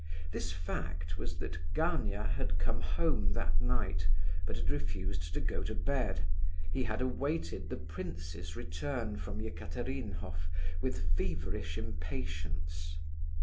This fact was that Gania had come home that night, but had refused to go to bed. He had awaited the prince's return from Ekaterinhof with feverish impatience.